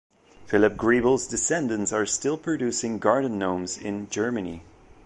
Philip Griebel's descendants are still producing garden gnomes in Germany.